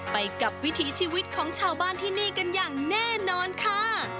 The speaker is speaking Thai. ไปกับวิถีชีวิตของชาวบ้านที่นี่กันอย่างแน่นอนค่ะ